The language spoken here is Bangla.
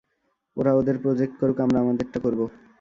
ওরা ওদের প্রজেক্ট করুক, আমরা আমাদেরটা করব।